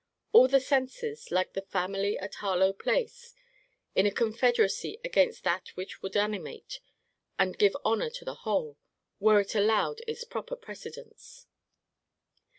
All the senses, like the family at Harlowe place, in a confederacy against that which would animate, and give honour to the whole, were it allowed its proper precedence.